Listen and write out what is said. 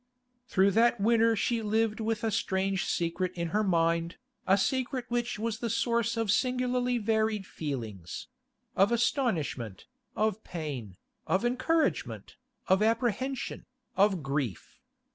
Through that winter she lived with a strange secret in her mind, a secret which was the source of singularly varied feelings—of astonishment, of pain, of encouragement, of apprehension, of grief.